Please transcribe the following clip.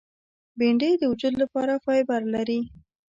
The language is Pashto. بېنډۍ د وجود لپاره فایبر لري